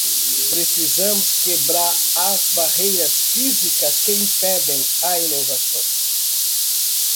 Precisamos quebrar as barreiras físicas que impedem a inovação.